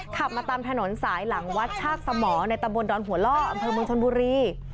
ขับมาตามถนนสายหลังวัดชาติสมรในตำบลดอนหัวล่ออำเภอเมืองชนบุรี